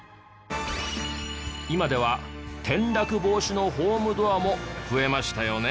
今では転落防止のホームドアも増えましたよね。